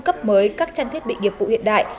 cấp mới các trang thiết bị nghiệp vụ hiện đại